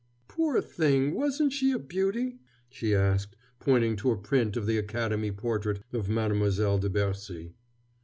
"Poor thing! Wasn't she a beauty?" she asked, pointing to a print of the Academy portrait of Mademoiselle de Bercy.